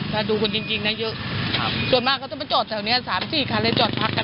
ถ้าดูคนจริงนะเยอะส่วนมากเขาจะมาจอดแถวนี้๓๔คันเลยจอดพักกัน